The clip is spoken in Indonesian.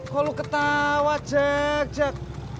kok lo ketawa jak